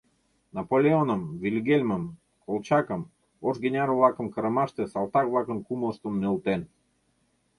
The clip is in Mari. — Наполеоным, Вильгельмым, Колчакым, ош генерал-влакым кырымаште салтак-влакын кумылыштым нӧлтен.